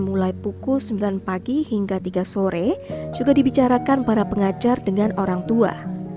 mulai pukul sembilan pagi hingga tiga sore juga dibicarakan para pengajar dengan orang tua